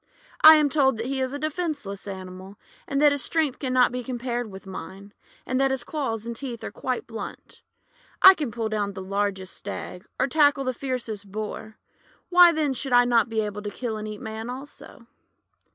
I am told that he is a defenceless animal, and that his strength can not be compared with mine, and that his claws and teeth are quite blunt. I can pull down the largest Stag, or tackle the fiercest Boar, why then should I not be able to kill and eat Man also?'